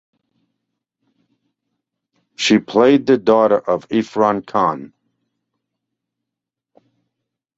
She played the role of daughter of Irfan Khan.